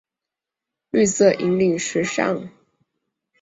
绿色引领时尚。